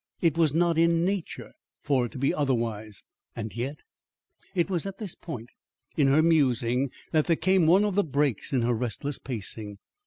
It was not in nature for it to be otherwise. And yet It was at this point in her musing that there came one of the breaks in her restless pacing.